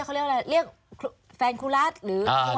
ก็เค้าเรียกเบอร์แฟนครูรัฐหรือคนผ่านหวังชาติ